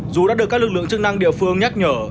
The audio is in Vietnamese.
dù đã được các lực lượng chức năng địa phương nhắc nhở